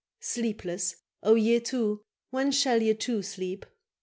Sleepless: and ye too, when shall ye too sleep?